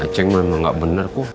ceng mana nggak benar kom